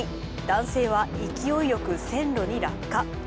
男性は勢いよく線路に落下。